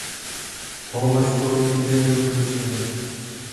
Homer školu nikdy nedokončil.